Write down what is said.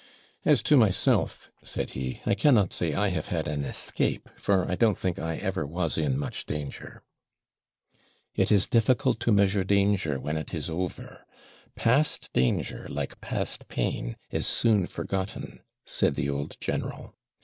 'As to myself,' said he, 'I cannot say I have had an escape, for I don't think I ever was in much danger.' 'It is difficult to measure danger when it is over past danger, like past pain, is soon forgotten,' said the old general.